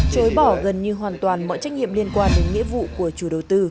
chối bỏ gần như hoàn toàn mọi trách nhiệm liên quan đến nghĩa vụ của chủ đầu tư